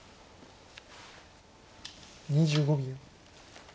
２５秒。